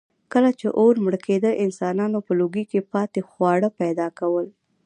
کله چې اور مړ کېده، انسانانو په لوګي کې پاتې خواړه پیدا کول.